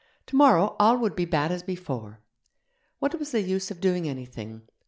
Tomorrow all would be bad as before. What was the use of doing anything?